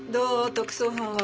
特捜班は。